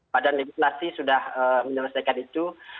badan legislasi sudah menyelesaikan itu